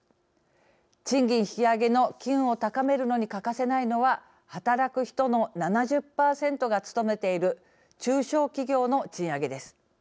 賃金引き上げの機運を高めるのに欠かせないのは働く人の７０％が勤めている中小企業の賃上げです。